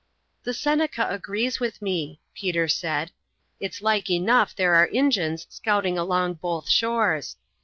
"The Seneca agrees with me," Peter said. "It's like enough there are Injuns scouting along both shores.